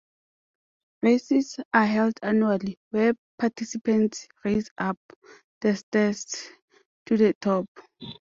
Races are held annually, where participants race up the stairs to the top.